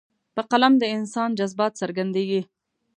په قلم د انسان جذبات څرګندېږي.